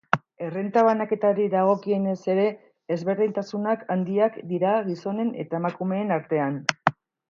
Errenta banaketari dagokionez ere, ezberdintasunak handiak dira gizonen eta emakumeen artean.